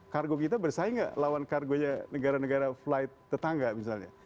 kargo kita bersaing gak lawan kargo nya negara negara flight tetangga misalnya